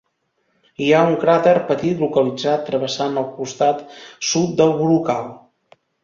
Hi ha un cràter petit localitzat travessant el costat sud del brocal.